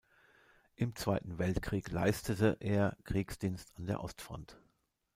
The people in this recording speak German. Im Zweiten Weltkrieg leistete er Kriegsdienst an der Ostfront.